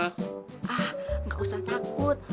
ah nggak usah takut